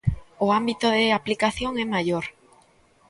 O ámbito de aplicación é maior.